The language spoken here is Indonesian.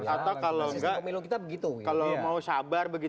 atau kalau tidak kalau mau sabar